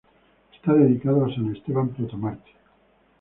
Está dedicada a San Esteban Protomártir.